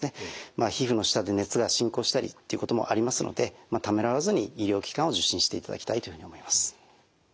皮膚の下で熱が進行したりということもありますのでためらわずに医療機関を受診していただきたいと思います。